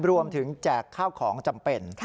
รวมถึงแจกข้าวของจำเป็น